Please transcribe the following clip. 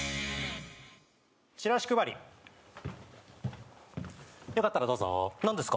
「チラシ配り」よかったらどうぞ何ですか？